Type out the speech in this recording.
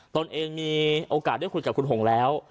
ตัวเองมีโอกะด้วยคุณแล้ว